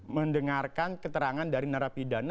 mendengarkan keterangan dari narapidana